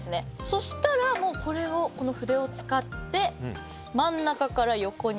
そしたらもうこの筆を使って真ん中から横に。